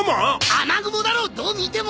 雨雲だろどう見ても！